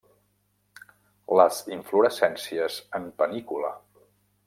Les inflorescències en panícula.